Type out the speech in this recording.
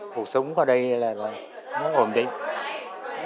cuộc sống ở đây là nó ổn định